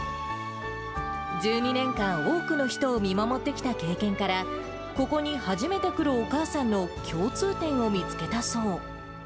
１２年間、多くの人を見守ってきた経験から、ここに初めて来るお母さんの共通点を見つけたそう。